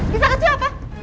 bisa kasih apa